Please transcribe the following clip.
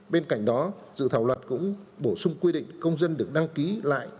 bên cạnh đó dự thảo luật cũng bổ sung quy định công dân được đăng ký lại